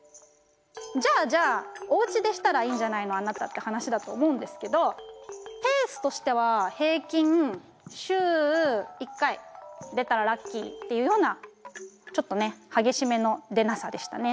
じゃあじゃあ「おうちでしたらいいんじゃないの？あなた」って話だと思うんですけどペースとしては平均週１回出たらラッキーっていうようなちょっとね激しめの出なさでしたね。